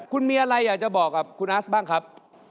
คุณมีอะไรอยากจะบอกกับคุณอาสบ้างครับ